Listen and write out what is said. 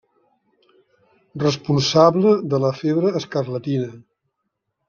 Responsable de la febre escarlatina.